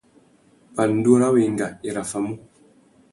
Pandú râ wenga i raffamú.